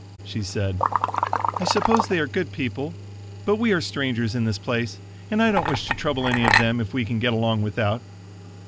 She said, "I suppose they are good people, but we are strangers in this place, and don't wish to trouble any of them, if we can get along without."